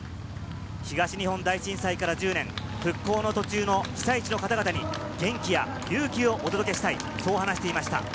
東日本大震災から１０年、復興の途中の被災地の方々に元気や勇気をお届けしたいと話していました。